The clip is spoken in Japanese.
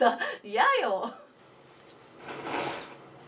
嫌よ。